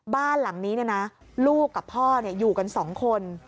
บ้านหลังนี้ลูกกับพ่ออยู่กัน๒คน